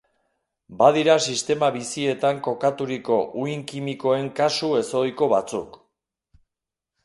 Badira sistema bizietan kokaturiko uhin kimikoen kasu ezohiko batzuk.